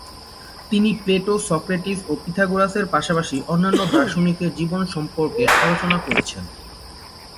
তিনি Plato, Socrates ও পিথাগোরাসের পাশাপাশি অন্যান্য দার্শনিকের জীবন সম্পর্কে আলোচনা করেছেন।